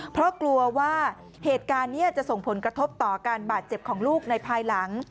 เพราะกลัวว่าเหตุการณ์นี้จะส่งผลกระทบต่อการบาดเจ็บของลูกในภายหลัง